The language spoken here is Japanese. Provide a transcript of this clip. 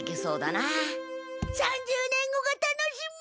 ３０年後が楽しみ！